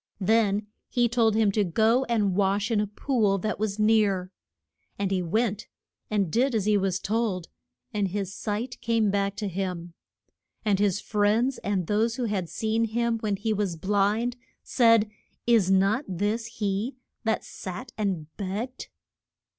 Then he told him to go and wash in a pool that was near. And he went, and did as he was told, and his sight came back to him. And his friends, and those who had seen him when he was blind, said, Is not this he that sat and begged?